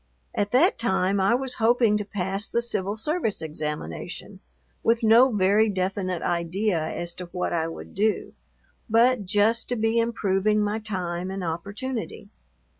At that time I was hoping to pass the Civil Service examination, with no very definite idea as to what I would do, but just to be improving my time and opportunity.